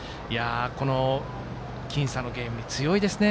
この僅差のゲーム、強いですね。